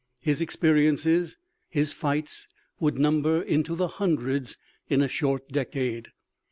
His experiences, his fights, would number into the hundreds in a short decade.